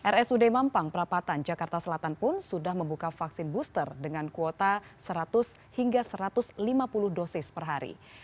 rsud mampang perapatan jakarta selatan pun sudah membuka vaksin booster dengan kuota seratus hingga satu ratus lima puluh dosis per hari